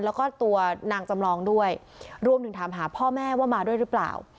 แล้วก็ตัวนางจำลองด้วยรวมถึงถามหาพ่อแม่ว่ามาด้วยหรือเปล่า